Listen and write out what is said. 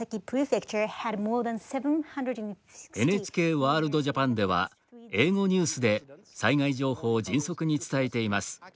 ＮＨＫワールドジャパンでは英語ニュースで災害情報を迅速に伝えています。